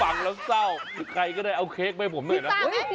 บังและเศร้าใครก็ได้เอาเค้กไว้ให้ผมเลยนะ